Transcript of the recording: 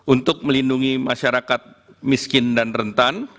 untuk melindungi masyarakat miskin dan rentan